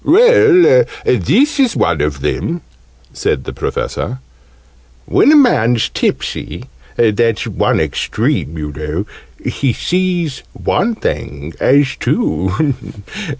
"Well, this is one of them," said the Professor. "When a man's tipsy (that's one extreme, you know), he sees one thing as two.